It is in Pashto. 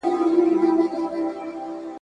نه بچی وي د کارګه چاته منلی ..